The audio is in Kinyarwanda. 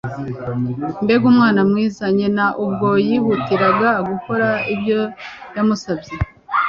Mbega umwana mwiza!" nyina, ubwo yihutiraga gukora ibyo yamusabye.